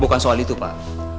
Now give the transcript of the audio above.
bukan soal itu pak